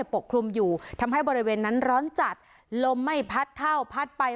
ปกคลุมอยู่ทำให้บริเวณนั้นร้อนจัดลมไม่พัดเข้าพัดไป